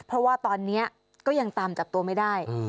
เพราะว่าตอนนี้ก็ยังตามจับตัวไม่ได้